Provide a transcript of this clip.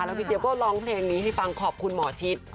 แล้วพี่เจี๊ยก็ร้องเพลงนี้ให้ฟังขอบคุณหมอชิด